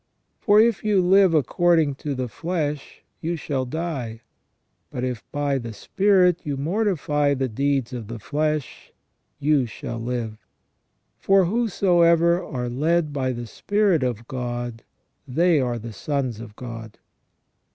For if you live according to the flesh you shall die ; but if by the spirit you mortify the deeds of the flesh you shall live. For whosoever are led by the spirit of God, they are the sons of God."